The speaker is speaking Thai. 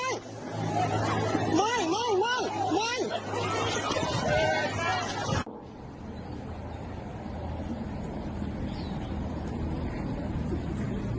เชิงชู้สาวกับผอโรงเรียนคนนี้